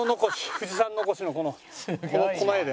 富士山残しのこのこの画で。